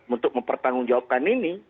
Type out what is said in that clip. untuk mempertanggungjawabkan ini